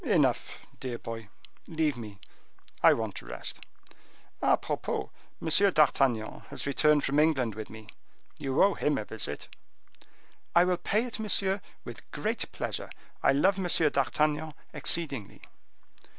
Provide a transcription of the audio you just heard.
"Enough, dear boy, leave me; I want rest. A propos, M. d'Artagnan has returned from England with me; you owe him a visit." "I will pay it, monsieur, with great pleasure. I love Monsieur d'Artagnan exceedingly."